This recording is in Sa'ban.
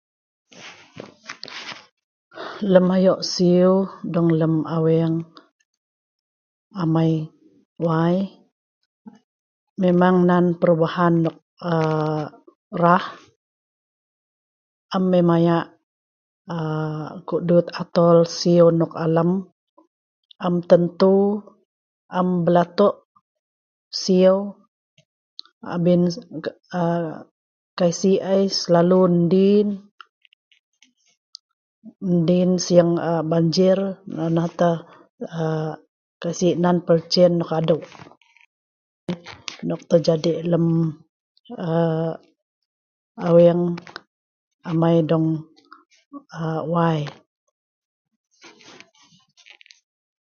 Lem ayoq sieu dong lem aweng amai wai memang nan perubahan nok um raa’ am yeh maya’ um ko’ duet atool sieu nok alam am tentu am belatuq sieu abien um kai si’ ai slalu ndien. Ndien sieng um banjir nonoh tah um kai si’ nan pelceen nok adeu nok terjadi lem um aweng amai dong um wai